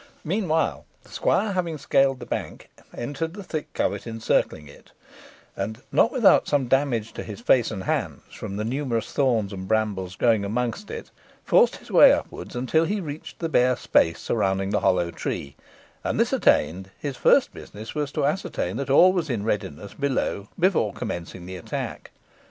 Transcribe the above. Meanwhile, the squire having scaled the bank, entered the thick covert encircling it, and, not without some damage to his face and hands from the numerous thorns and brambles growing amongst it, forced his way upwards until he reached the bare space surrounding the hollow tree; and this attained, his first business was to ascertain that all was in readiness below before commencing the attack.